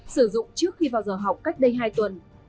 sử dụng trước khi vào giờ học cách đây hai tuần